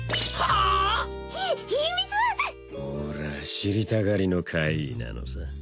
俺は知りたがりの怪異なのさ